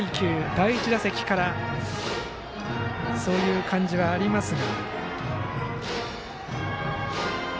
第１打席からそういう感じがありますが。